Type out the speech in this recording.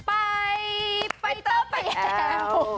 ไปไปเตอร์ไปแอล